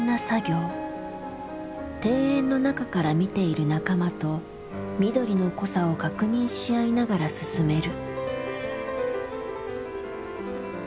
庭園の中から見ている仲間と緑の濃さを確認し合いながら進める。